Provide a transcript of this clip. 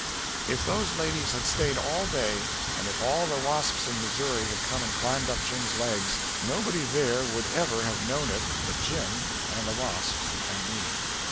If those ladies had stayed all day, and if all the wasps in Missouri had come and climbed up Jim's legs, nobody there would ever have known it but Jim and the wasps and me.